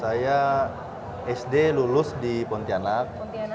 saya sd lulus di pontianak